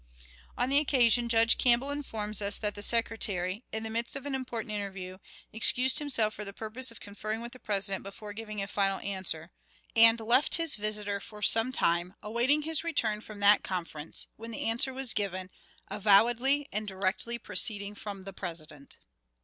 On one occasion, Judge Campbell informs us that the Secretary, in the midst of an important interview, excused himself for the purpose of conferring with the President before giving a final answer, and left his visitor for some time, awaiting his return from that conference, when the answer was given, avowedly and directly proceeding from the President.